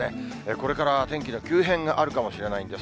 これから天気の急変があるかもしれないです。